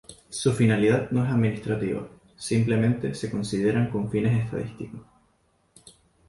Su finalidad no es administrativa, simplemente se consideran con fines estadísticos.